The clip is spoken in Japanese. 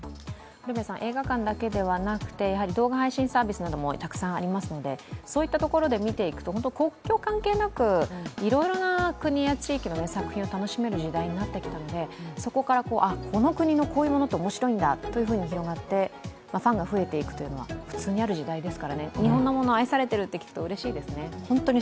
映画館だけでなくて、動画配信サービスなどもたくさんありますのでそういったところで見ていくと国境関係なくいろいろな国や地域の作品を楽しめる時代になっていますのでそこから、この国のこういうものって面白いんだとファンが増えていくというのは普通にある時代ですから、日本のものが愛されていると聞くとうれしいですよね。